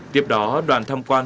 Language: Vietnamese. tiếp đó đoàn thăm quan